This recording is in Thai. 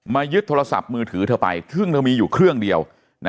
ยึดโทรศัพท์มือถือเธอไปซึ่งเธอมีอยู่เครื่องเดียว